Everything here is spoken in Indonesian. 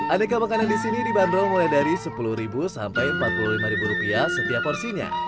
aneka makanan disini dibanderol mulai dari sepuluh sampai empat puluh lima rupiah setiap porsinya